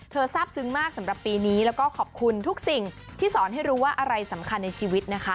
ทราบซึ้งมากสำหรับปีนี้แล้วก็ขอบคุณทุกสิ่งที่สอนให้รู้ว่าอะไรสำคัญในชีวิตนะคะ